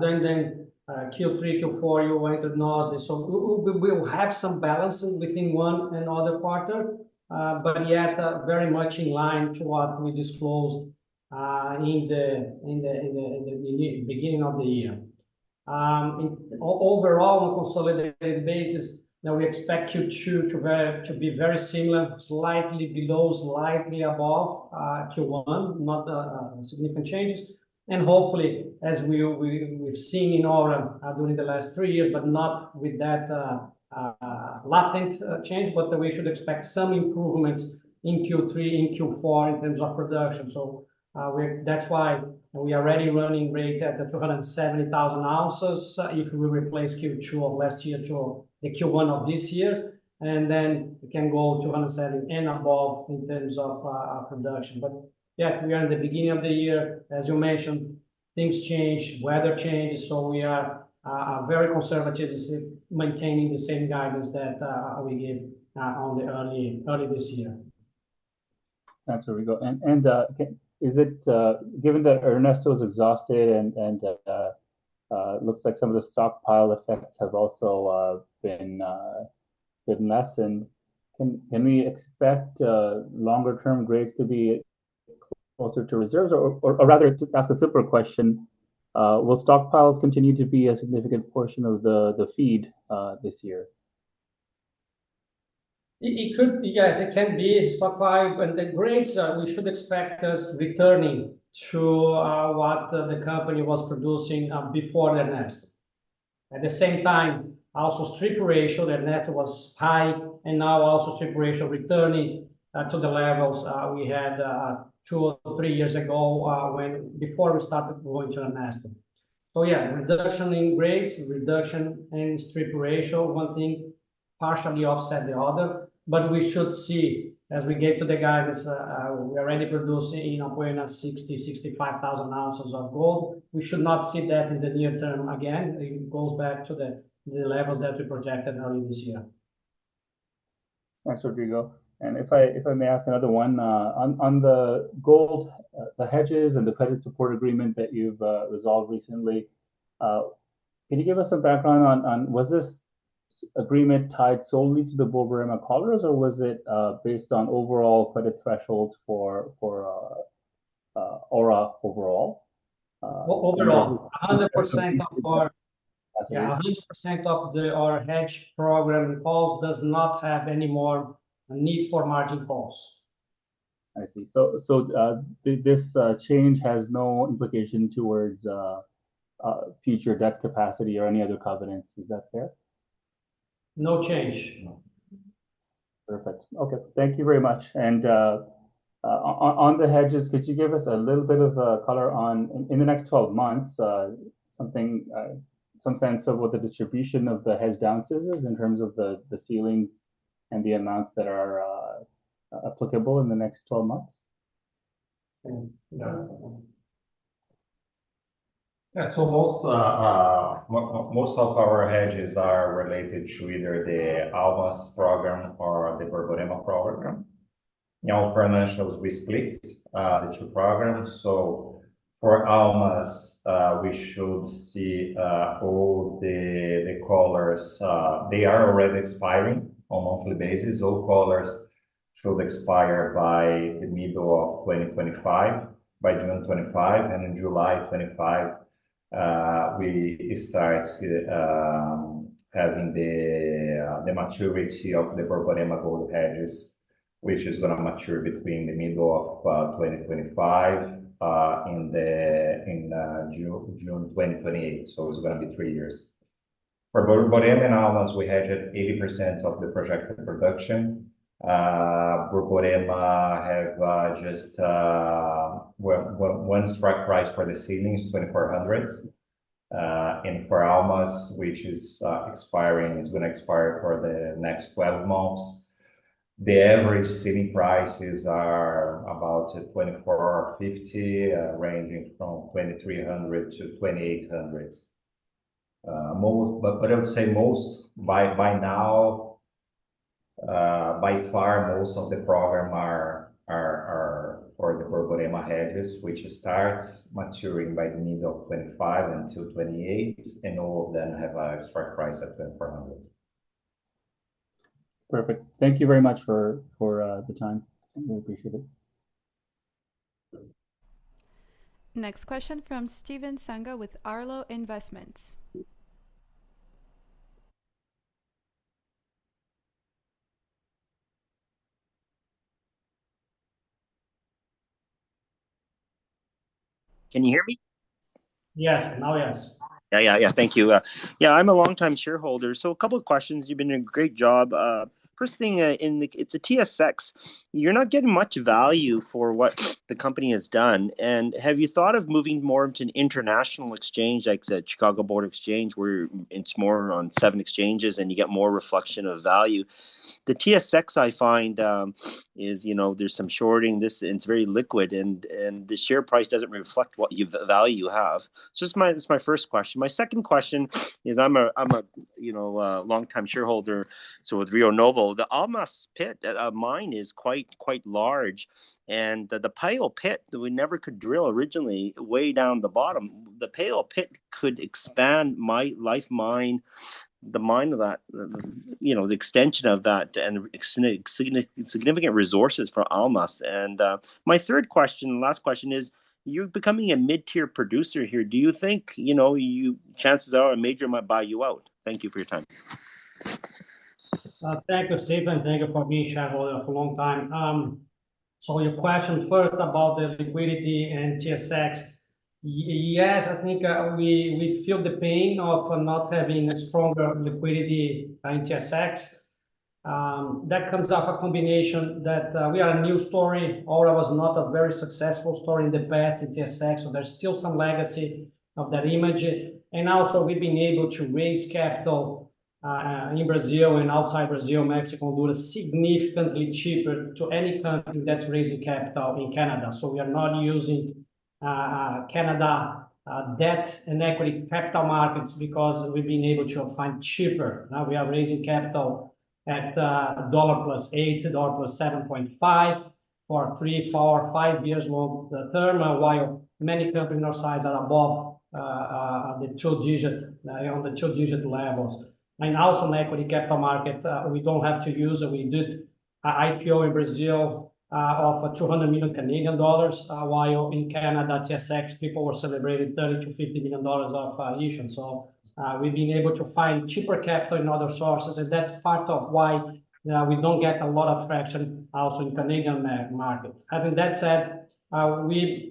S2: Then, Q3, Q4, you will enter Nosde. So we will have some balances within one and other quarter, but yet, very much in line to what we disclosed, in the beginning of the year. Overall, the consolidated basis that we expect Q2 to be, to be very similar, slightly below, slightly above, Q1, not significant changes. And hopefully, as we've seen in Aura, during the last three years, but not with that, latent change, but we should expect some improvements in Q3 and Q4 in terms of production. So, that's why we are already running rate at the 270,000 ounces. If we replace Q2 of last year to the Q1 of this year, and then we can go 270 and above in terms of production. But yeah, we are in the beginning of the year, as you mentioned... things change, weather changes, so we are very conservative in maintaining the same guidance that we gave on the early, early this year.
S8: Thanks, Rodrigo. Okay, is it given that Ernesto is exhausted and it looks like some of the stockpile FX have also been lessened, can we expect longer-term grades to be closer to reserves? Or, rather to ask a simpler question, will stockpiles continue to be a significant portion of the feed this year?
S2: It could. Yes, it can be stockpile, but the grades, we should expect us returning to what the company was producing before Ernesto. At the same time, also strip ratio, that net was high, and now also strip ratio returning to the levels we had two or three years ago, when before we started going to Ernesto. So yeah, reduction in grades, reduction in strip ratio, one thing partially offset the other, but we should see, as we get to the guidance, we are already producing in around 60,000-65,000 ounces of gold. We should not see that in the near term again. It goes back to the level that we projected earlier this year.
S8: Thanks, Rodrigo. And if I may ask another one, on the gold, the hedges and the credit support agreement that you've resolved recently, can you give us some background on... Was this agreement tied solely to the Borborema collars, or was it based on overall credit thresholds for Aura overall?
S2: Overall. 100% of our-
S8: That's it.
S2: Yeah, 100% of the, our hedge program involves does not have any more need for margin calls.
S8: I see. This change has no implication towards future debt capacity or any other covenants. Is that fair?
S2: No change.
S8: No. Perfect. Okay. Thank you very much. And, on, on the hedges, could you give us a little bit of color on, in the next 12 months, something, some sense of what the distribution of the hedge balances is in terms of the, the ceilings and the amounts that are applicable in the next 12 months? And, yeah.
S3: Yeah. So most of our hedges are related to either the Almas program or the Borborema program. In our financials, we split the two programs. So for Almas, we should see all the collars; they are already expiring on a monthly basis. All collars should expire by the middle of 2025, by June 2025, and in July 2025, we start to having the maturity of the Borborema gold hedges, which is gonna mature between the middle of 2025, in June 2028. So it's gonna be three years. For Borborema and Almas, we hedge at 80% of the projected production. Borborema has just one strike price for the ceiling is $2,400. And for Almas, which is expiring, it's gonna expire for the next 12 months, the average ceiling prices are about $2,450, ranging from $2,300-$2,800. Most, but, but I would say most by, by now, by far, most of the program are, are, are for the Borborema hedges, which starts maturing by the middle of 2025 until 2028, and all of them have a strike price of $2,400.
S8: Perfect. Thank you very much for the time. We appreciate it.
S1: Next question from Stephen Sanga with Arlo Investments.
S9: Can you hear me?
S2: Yes. Now, yes.
S9: Yeah, yeah, yeah. Thank you. Yeah, I'm a longtime shareholder, so a couple of questions. You've been doing a great job. First thing, it's a TSX, you're not getting much value for what the company has done. And have you thought of moving more into an international exchange, like the Chicago Board Exchange, where it's more on seven exchanges and you get more reflection of value? The TSX, I find, is, you know, there's some shorting this, and it's very liquid, and the share price doesn't reflect what you've value you have. So it's my, it's my first question. My second question is, I'm a longtime shareholder, so with Rio Novo, the Almas pit mine is quite large, and the pile pit that we never could drill originally, way down the bottom, the pile pit could expand the mine life, the mine that, you know, the extension of that and significant resources for Almas. My third question and last question is, you're becoming a mid-tier producer here. Do you think, you know, chances are a major might buy you out? Thank you for your time.
S2: Thank you, Stephen. Thank you for being a shareholder for a long time. So your question first about the liquidity and TSX. Yes, I think we feel the pain of not having a stronger liquidity in TSX. That comes off a combination that we are a new story. Aura was not a very successful story in the past in TSX, so there's still some legacy of that image. And also, we've been able to raise capital in Brazil and outside Brazil. Mexico, gold is significantly cheaper to any country that's raising capital in Canada. So we are not using Canada debt and equity capital markets because we've been able to find cheaper. Now, we are raising capital at $ +8, $ +7.5, for 3, 4, 5 years more. The term, while many companies in our size are above the two-digit levels. And also in equity capital market, we don't have to use, and we did an IPO in Brazil of 200 million Canadian dollars, while in Canada, TSX, people were celebrating 30 million-50 million dollars of issues. So, we've been able to find cheaper capital in other sources, and that's part of why we don't get a lot of traction also in Canadian market. Having that said, we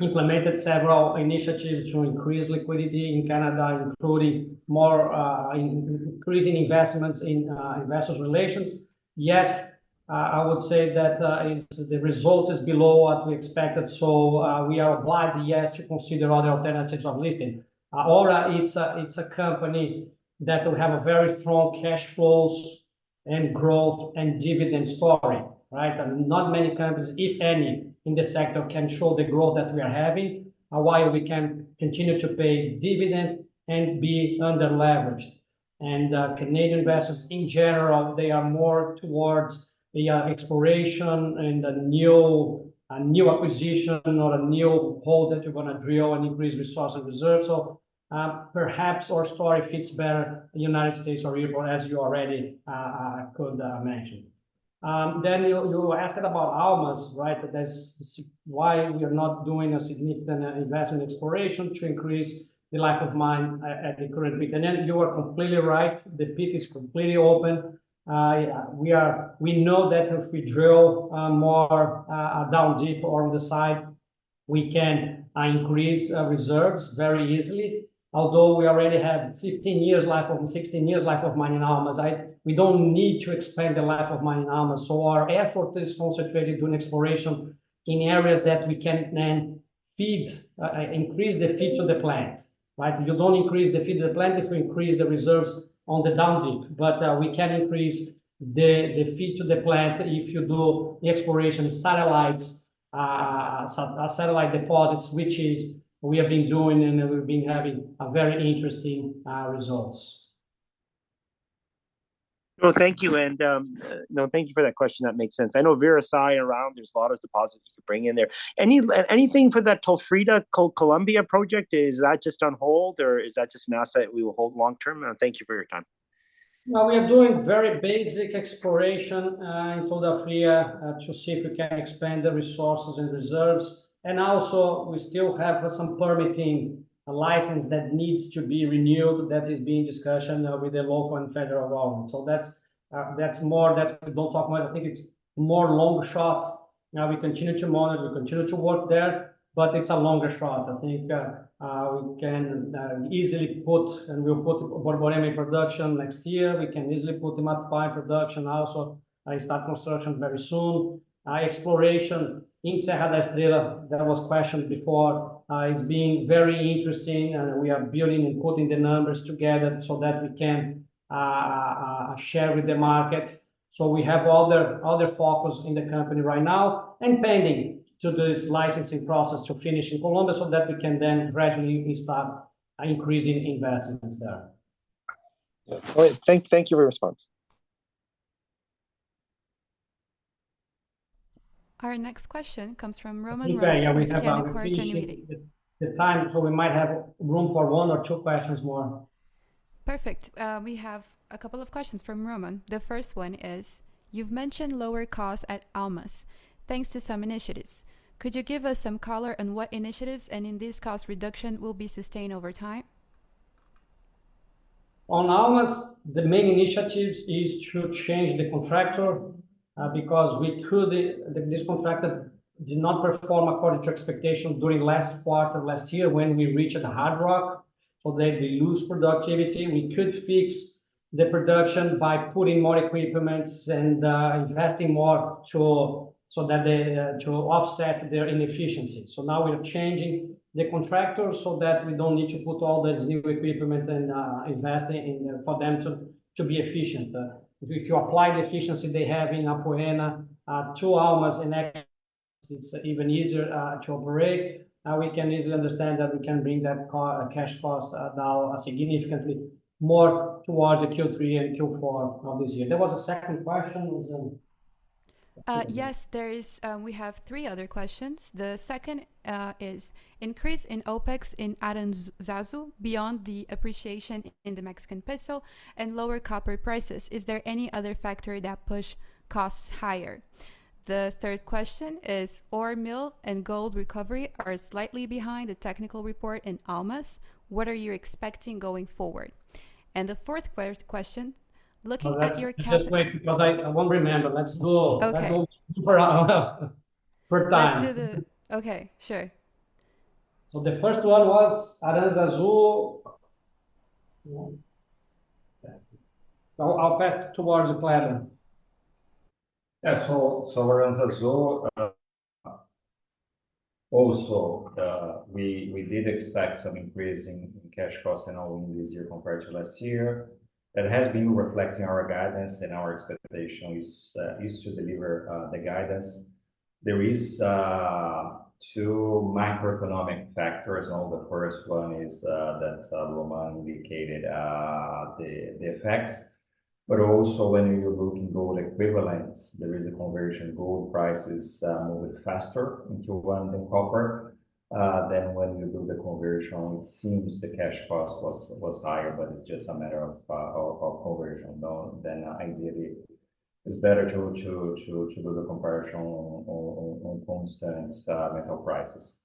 S2: implemented several initiatives to increase liquidity in Canada, including more increasing investments in investor relations. Yet, I would say that it's the result is below what we expected, so we are obliged, yes, to consider other alternatives of listing. Aura, it's a company that will have a very strong cash flows, and growth, and dividend story, right? And not many companies, if any, in this sector, can show the growth that we are having, while we can continue to pay dividend and be under-leveraged. And Canadian investors, in general, they are more towards the exploration and the new, a new acquisition, or a new hole that you're gonna drill and increase resource and reserve. So, perhaps our story fits better in United States or Europe, as you already could mention. Then you asked about Almas, right? That's the reason why we are not doing a significant investment exploration to increase the life of mine at the current pit. And then you are completely right, the pit is completely open. We know that if we drill more down deep or on the side, we can increase reserves very easily. Although we already have 15 years life, or 16 years life of mining in Almas. We don't need to expand the life of mining in Almas. So our effort is concentrated on exploration in areas that we can then feed, increase the feed to the plant, right? You don't increase the feed to the plant if you increase the reserves on the down deep, but we can increase the feed to the plant if you do the exploration satellites, satellite deposits, which is we have been doing, and we've been having a very interesting results.
S9: Well, thank you, and no, thank you for that question. That makes sense. I know Veracruz around, there's a lot of deposits you could bring in there. Anything for that Tolda Fria Colombia project? Is that just on hold, or is that just an asset we will hold long-term? And thank you for your time.
S2: Well, we are doing very basic exploration, in Tolda Fria, to see if we can expand the resources and reserves. And also, we still have some permitting license that needs to be renewed, that is being discussed with the local and federal government. So that's, that's more, that we don't talk about it. I think it's more long shot. Now, we continue to monitor, we continue to work there, but it's a longer shot. I think, we can, easily put, and we'll put Borborema in production next year. We can easily put Matupá production also, and start construction very soon. Exploration in Serrinhas, that was questioned before, is being very interesting, and we are building and putting the numbers together so that we can, share with the market. So we have other focus in the company right now, and pending this licensing process to finish in Colombia, so that we can then gradually we start increasing investments there.
S9: All right. Thank, thank you for your response.
S1: Our next question comes from Román Rossi with Canaccord Genuity.
S2: The time, so we might have room for one or two questions more.
S1: Perfect. We have a couple of questions from Román. The first one is: You've mentioned lower costs at Almas, thanks to some initiatives. Could you give us some color on what initiatives, and in this cost reduction will be sustained over time?
S2: On Almas, the main initiatives is to change the contractor, because this contractor did not perform according to expectation during last quarter of last year when we reached the hard rock. So then we lose productivity. We could fix the production by putting more equipments and investing more so that they to offset their inefficiency. So now we are changing the contractor so that we don't need to put all this new equipment and invest in for them to be efficient. If you apply the efficiency they have in Apoena to Almas in action, it's even easier to operate. Now, we can easily understand that we can bring that cash cost down significantly more towards the Q3 and Q4 of this year. There was a second question, was-
S1: Yes, there is. We have three other questions. The second is: Increase in OpEx in Aranzazu beyond the appreciation in the Mexican peso and lower copper prices. Is there any other factor that push costs higher? The third question is: Ore mill and gold recovery are slightly behind the technical report in Almas. What are you expecting going forward? And the fourth question: Looking at your ca-
S2: Just wait, because I won't remember. Let's go-
S1: Okay.
S2: Let's go for, for time.
S1: Let's do the... Okay, sure.
S2: So the first one was Aranzazu. Yeah. I'll back towards the plan. Yeah, so, so Aranzazu.
S3: Also, we did expect some increase in cash costs and all-in this year compared to last year. That has been reflecting our guidance and our expectation is to deliver the guidance. There is two macroeconomic factors, and the first one is that Román indicated the effects. But also when you're looking gold equivalents, there is a conversion. Gold prices move it faster into one than copper. Then when you do the conversion, it seems the cash cost was higher, but it's just a matter of conversion. Though, then ideally it's better to do the comparison on constant metal prices.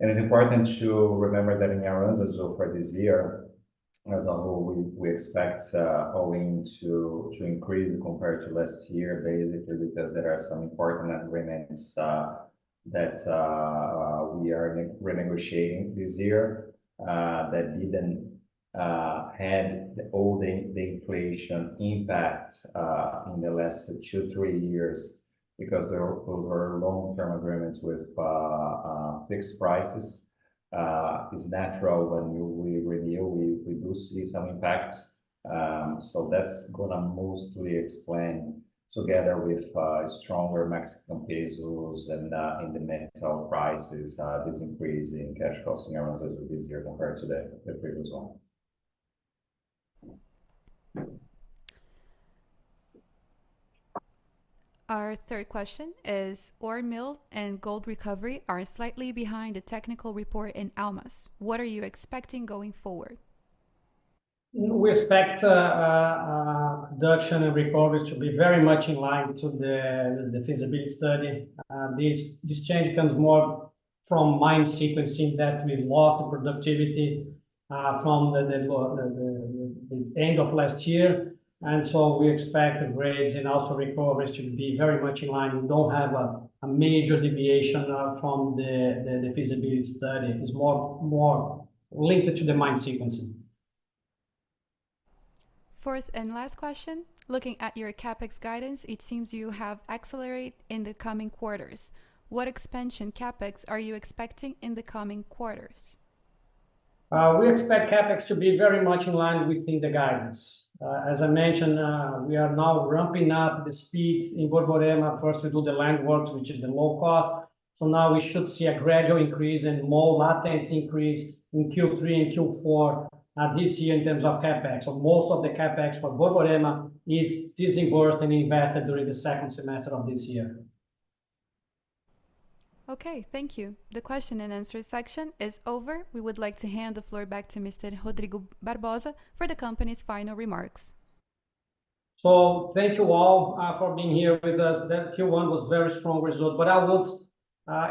S3: It's important to remember that in our runs as of for this year, as a whole, we expect owing to increase compared to last year, basically because there are some important agreements that we are renegotiating this year that didn't had all the inflation impact in the last two, three years because there were long-term agreements with fixed prices. It's natural when we renew, we do see some impacts. So that's gonna mostly explain together with stronger Mexican pesos and in the metal prices this increase in cash cost in our this year compared to the previous one.
S1: Our third question is, ore mill and gold recovery are slightly behind the technical report in Almas. What are you expecting going forward?
S2: We expect production and recovery to be very much in line to the feasibility study. This change comes more from mine sequencing that we lost the productivity from the end of last year, and so we expect the grades and also recoveries to be very much in line. We don't have a major deviation from the feasibility study. It's more related to the mine sequencing.
S1: Fourth and last question: looking at your CapEx guidance, it seems you have accelerate in the coming quarters. What expansion CapEx are you expecting in the coming quarters?
S2: We expect CapEx to be very much in line within the guidance. As I mentioned, we are now ramping up the speed in Borborema. First, we do the land works, which is the low cost. So now we should see a gradual increase and more latent increase in Q3 and Q4, this year in terms of CapEx. So most of the CapEx for Borborema is disbursed and invested during the second semester of this year.
S1: Okay, thank you. The question and answer section is over. We would like to hand the floor back to Mr. Rodrigo Barbosa for the company's final remarks.
S2: Thank you all for being here with us. The Q1 was very strong result, but I would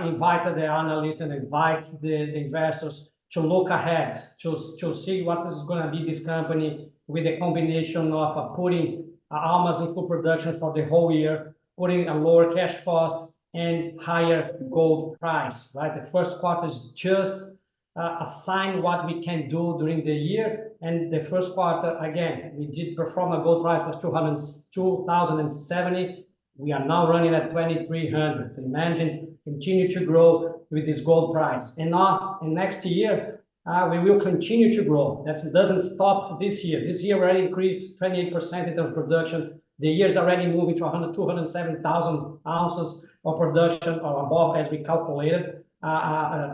S2: invite the analyst and invite the, the investors to look ahead to see what is gonna be this company with a combination of putting Almas in full production for the whole year, putting a lower cash cost, and higher gold price, right? The first quarter is just a sign what we can do during the year. The first quarter, again, we did perform a gold price was $2,070. We are now running at $2,300. Imagine, continue to grow with this gold price. Now, in next year, we will continue to grow. That doesn't stop this year. This year, we already increased 28% in terms of production. The year is already moving to 207,000 ounces of production or above, as we calculated,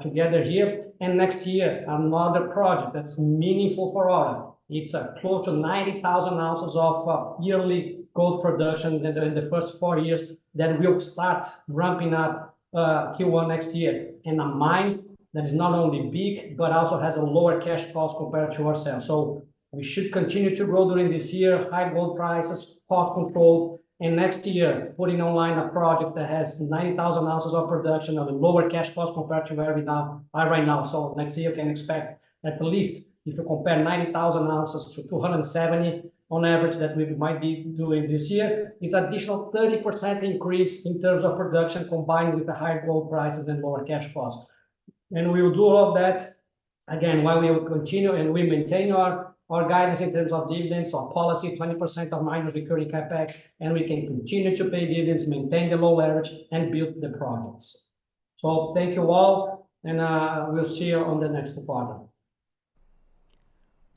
S2: together here. And next year, another project that's meaningful for all. It's close to 90,000 ounces of yearly gold production in the first four years that we'll start ramping up Q1 next year. And a mine that is not only big, but also has a lower cash cost compared to ourselves. So we should continue to grow during this year, high gold prices, spot controlled, and next year, putting online a project that has 90,000 ounces of production of a lower cash cost compared to where we are right now. So next year, you can expect at least, if you compare 90,000 ounces to 270,000 on average that we might be doing this year, it's an additional 30% increase in terms of production, combined with the higher gold prices and lower cash costs. And we will do all of that again while we will continue, and we maintain our, our guidance in terms of dividends, our policy, 20% of miner's recurring CapEx, and we can continue to pay dividends, maintain the low leverage, and build the projects. So thank you all, and we'll see you on the next quarter.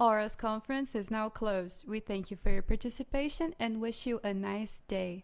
S1: Aura's conference is now closed. We thank you for your participation and wish you a nice day.